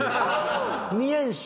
見えんし。